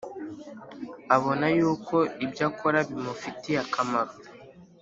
abona yuko ibyo akora bimufitiye akamaro